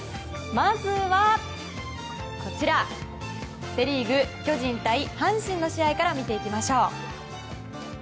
まずはセ・リーグ巨人対阪神の試合から見ていきましょう。